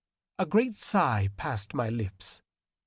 .. A great sigh passed my lips.